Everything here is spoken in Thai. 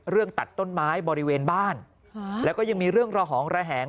ตัดต้นไม้บริเวณบ้านแล้วก็ยังมีเรื่องระหองระแหง